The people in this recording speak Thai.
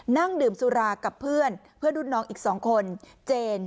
นั่งดื่มสุรากับเพื่อนเพื่อนรุ่นน้องอีก๒คนเจน